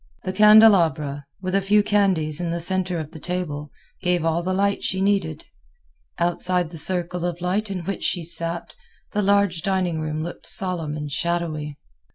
The candelabra, with a few candles in the center of the table, gave all the light she needed. Outside the circle of light in which she sat, the large dining room looked solemn and shadowy.